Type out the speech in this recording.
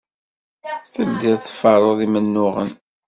Telliḍ tferruḍ imennuɣen.